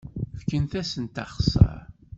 Fkemt-asent axeṣṣar!